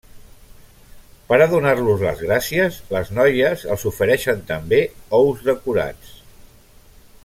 Per a donar-los les gràcies, les noies els ofereixen també ous decorats.